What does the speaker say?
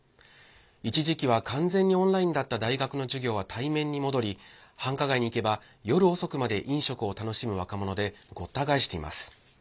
一時期は完全にオンラインだった大学の授業は対面に戻り繁華街に行けば夜遅くまで飲食を楽しむ若者でごった返しています。